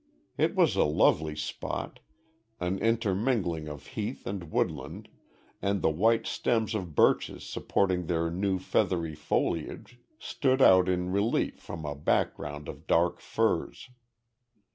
It was a lovely spot, an intermingling of heath and woodland, and the white stems of birches supporting their new feathery foliage, stood out in relief from a background of dark firs.